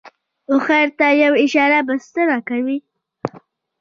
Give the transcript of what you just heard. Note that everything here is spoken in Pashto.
هوښیار ته یوه اشاره بسنه کوي.